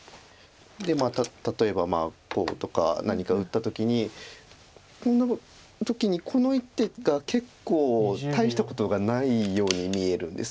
例えばこうとか何か打った時にこの時にこの一手が結構大したことがないように見えるんです。